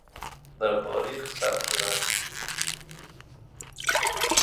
در تاریخ ثبت شدن